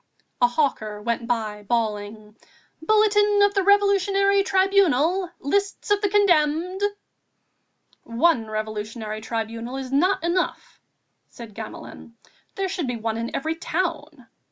A hawker went by bawling: "Bulletin of the Revolutionary Tribunal!... list of the condemned!" "One Revolutionary Tribunal is not enough," said Gamelin, "there should be one in every town